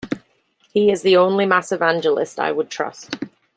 He is the only mass evangelist I would trust.